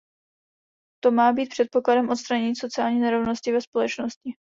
To má být předpokladem odstranění sociální nerovnosti ve společnosti.